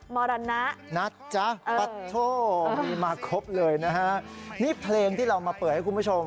มรณะนะจ๊ะปัดโทมีมาครบเลยนะฮะนี่เพลงที่เรามาเปิดให้คุณผู้ชม